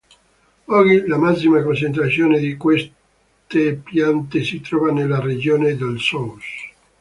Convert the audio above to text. Oggi la massima concentrazione di queste piante si trova nella regione del Sous.